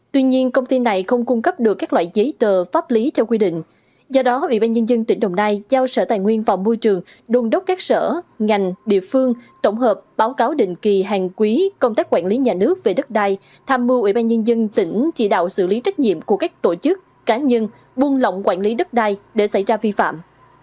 tuy nhiên công ty này không cung cấp được các loại giấy tờ pháp lý theo quy định do đó ủy ban nhân dân tỉnh đồng nai giao sở tài nguyên vào môi trường đôn đốc các sở ngành địa phương tổng hợp báo cáo định kỳ hàng quý công tác quản lý nhà nước về đất đai tham mưu ủy ban nhân dân tỉnh chỉ đạo xử lý trách nhiệm của các tổ chức cá nhân buôn lọng quản lý đất đai để xảy ra vi phạm